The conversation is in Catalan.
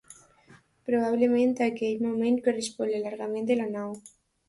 Probablement a aquell moment correspon l'allargament de la nau.